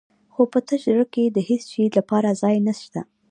خو په تش زړه کې د هېڅ شي لپاره ځای نه شته.